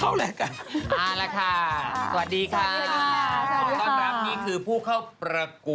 ว่ายังไงค่ะ